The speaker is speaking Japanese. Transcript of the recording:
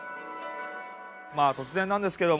まあ突然なんですけども。